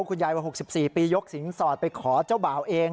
คุณยายว่า๖๔ปียกสินสอดไปขอเจ้าบ่าวเอง